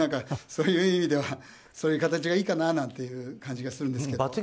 そういう意味ではそういう形がいいかなって感じがするんですけど。